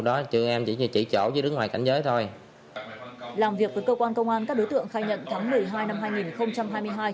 làm việc với cơ quan công an các đối tượng khai nhận tháng một mươi hai năm hai nghìn hai mươi hai